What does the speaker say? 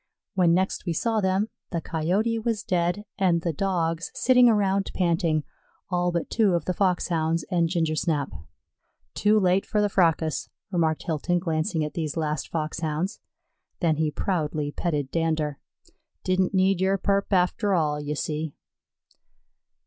When next we saw them the Coyote was dead, and the Dogs sitting around panting, all but two of the Foxhounds and Gingersnap. "Too late for the fracas," remarked Hilton, glancing at these last Foxhounds. Then he proudly petted Dander. "Didn't need yer purp after all, ye see."